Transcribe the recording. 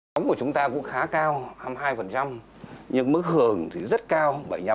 đóng của chúng ta cũng khá cao hai mươi hai nhưng mức hưởng thì rất cao bảy mươi năm